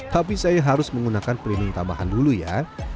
tapi saya harus menggunakan pelindung tambahan dulu ya